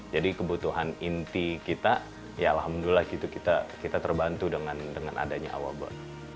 jadi kebutuhan inti kita ya alhamdulillah kita terbantu dengan adanya awba